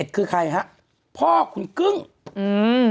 ๒๑คือใครครับ